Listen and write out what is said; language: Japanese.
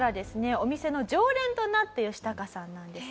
お店の常連となったヨシタカさんなんですが。